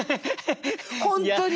本当にね。